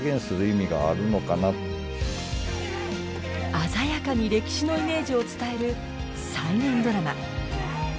鮮やかに歴史のイメージを伝える再現ドラマ。